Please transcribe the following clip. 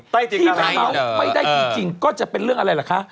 แต่ที่มันเมาส์ไม่ได้จริงก็จะเป็นเรื่องอะไรล่ะคะ